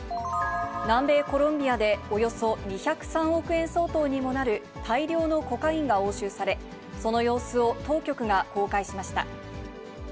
南米コロンビアで、およそ２０３億円相当にもなる、大量のコカインが押収され、その様子を当局が公開しました。